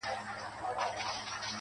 دا څو وجوده ولې په يوه روح کي راگير دي,